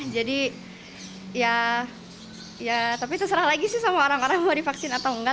jadi ya tapi terserah lagi sih sama orang orang mau divaksin atau nggak